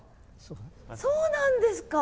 そうなんですか。